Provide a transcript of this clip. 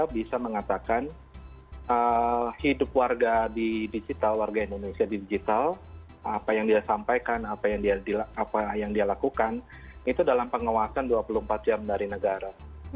bisa mengatakan hidup warga di digital warga indonesia di digital apa yang dia sampaikan apa yang dia lakukan itu dalam pengawasan dua puluh empat jam dari negara